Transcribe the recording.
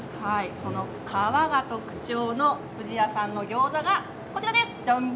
その皮が特徴の藤谷さんの餃子がこちらです。